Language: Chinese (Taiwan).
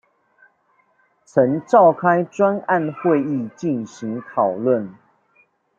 曾召開專案會議進行討論